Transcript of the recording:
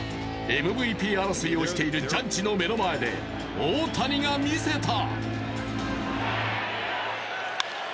ＭＶＰ争いをしているジャッジの目の前で大谷が見せた。